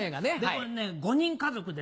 これね５人家族で。